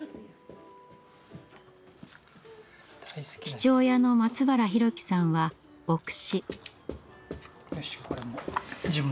父親の松原宏樹さんは牧師。